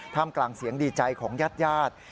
กลางเสียงดีใจของญาติญาติ